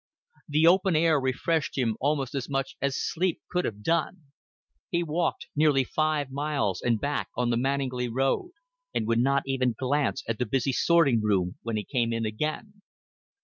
The open air refreshed him almost as much as sleep could have done. He walked nearly five miles and back on the Manninglea Road, and would not even glance at the busy sorting room when he came in again.